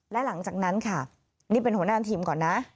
และหลังจากนั้นค่ะนี่เป็นหัวหน้าทีมก่อนนะ